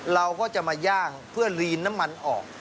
เราก็จะมาย่างเพื่อลีนน้ำมันออก